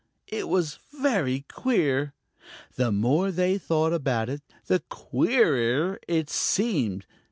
It was very queer. The more they thought about it, the queerer it seemed.